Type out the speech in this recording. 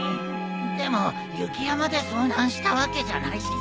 でも雪山で遭難したわけじゃないしさ。